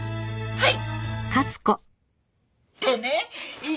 はい。